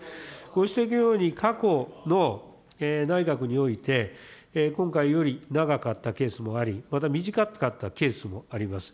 ご指摘のように、過去の内閣において、今回より長かったケースもあり、また短かったケースもあります。